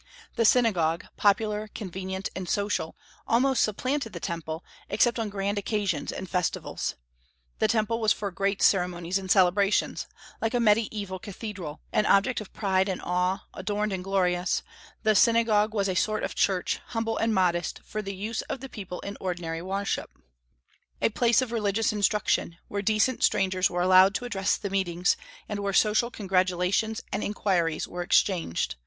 The synagogue, popular, convenient, and social, almost supplanted the Temple, except on grand occasions and festivals. The Temple was for great ceremonies and celebrations, like a mediaeval cathedral, an object of pride and awe, adorned and glorious; the synagogue was a sort of church, humble and modest, for the use of the people in ordinary worship, a place of religious instruction, where decent strangers were allowed to address the meetings, and where social congratulations and inquiries were exchanged.